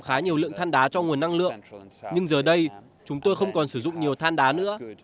chúng tôi đã sử dụng thăn đá cho nguồn năng lượng nhưng giờ đây chúng tôi không còn sử dụng nhiều thăn đá nữa